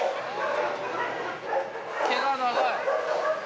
毛が長い。